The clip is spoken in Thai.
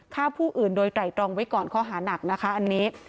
ฆ่าผู้อื่นโดยไตรตรองไว้ก่อนข้อหานักนะคะอันนี้